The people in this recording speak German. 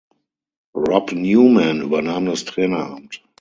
Rob Newman übernahm das Traineramt.